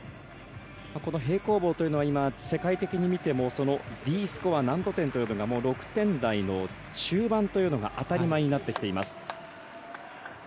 この平行棒というのは世界的に見てもＤスコア、難度点が６点台の中盤というのが当たり前になってきています。